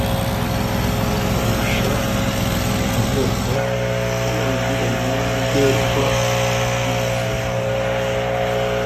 abakoresha ubwo bwoko uburetwa basohokana